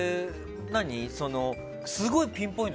すごいピンポイント。